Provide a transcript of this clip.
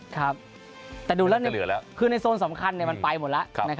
ครับแต่ดูแล้วคือในโซนสำคัญมันไปหมดแล้ว